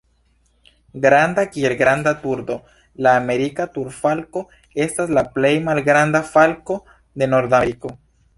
Granda kiel granda turdo, la Amerika turfalko estas la plej malgranda falko de Nordameriko.